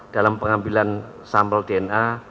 dalam pengambilan sampel dna